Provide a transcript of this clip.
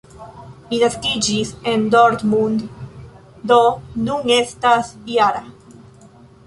Li naskiĝis en Dortmund, do nun estas -jara.